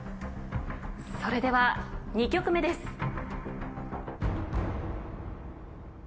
それでは２曲目です。